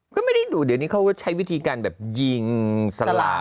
ก็ไม่ได้ดูเดี๋ยวนี้เขาใช้วิธีการแบบยิงสลา